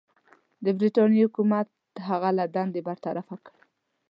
د برټانیې حکومت هغه له دندې برطرفه کړ.